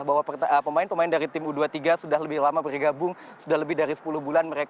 bahwa pemain pemain dari tim u dua puluh tiga sudah lebih lama bergabung sudah lebih dari sepuluh bulan